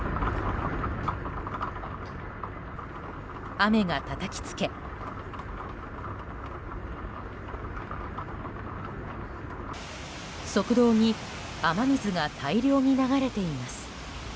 雨がたたきつけ、側道に雨水が大量に流れています。